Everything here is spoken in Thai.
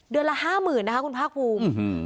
เดือนละห้าหมื่นนะคะคุณภาคภูมิอืมหืม